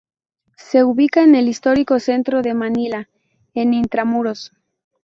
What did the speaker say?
Se ubica en el histórico centro de Manila, en Intramuros.